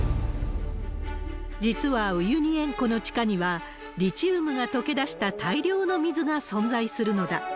実はウユニ塩湖の地下には、リチウムが溶け出した大量の水が存在するのだ。